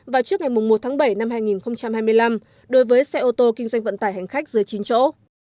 và trước ngày một tháng bảy năm hai nghìn hai mươi năm đối với xe ô tô kinh doanh vận tải hành khách dưới chín chỗ